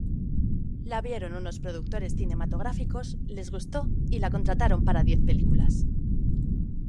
La vieron unos productores cinematográficos, les gustó y la contrataron para diez películas.